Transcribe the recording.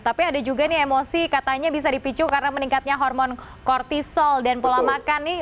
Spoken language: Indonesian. tapi ada juga nih emosi katanya bisa dipicu karena meningkatnya hormon kortisol dan pola makan nih